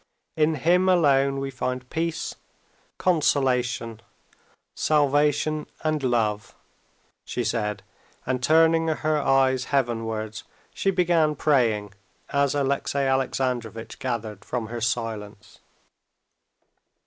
In Him alone we find peace, consolation, salvation, and love," she said, and turning her eyes heavenwards, she began praying, as Alexey Alexandrovitch gathered from her silence.